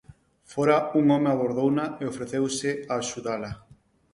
Fóra un home abordouna e ofreceuse a axudala.